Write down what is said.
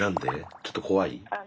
ちょっと怖い？